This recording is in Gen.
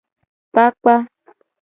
Kpakpa.